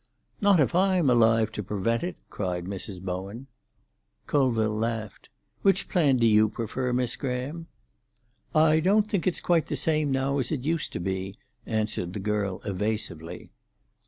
"Not if I'm alive to prevent it," cried Mrs. Bowen. Colville laughed. "Which plan do you prefer, Miss Graham?" "I don't think it's quite the same now as it used to be," answered the girl evasively.